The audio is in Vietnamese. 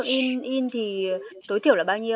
thì nếu mà tính ra tiền là bao nhiêu